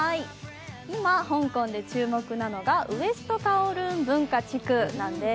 今、香港で注目なのがウエストカオルーン文化地区なんです。